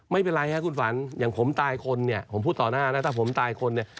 ไม่เป็นไรครับคุณฝันอย่างผมตายคนเนี่ยผมพูดต่อหน้านะถ้าผมตายคนเนี่ย